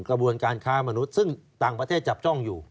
กระบวนการค้ามนุษย์ซึ่งต่างประเทศจับจ้องอยู่